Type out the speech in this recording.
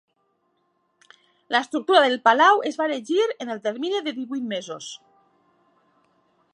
L'estructura del palau es va erigir en el termini de divuit mesos.